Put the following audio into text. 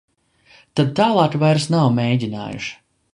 Tad tālāk vairs nav mēģinājuši.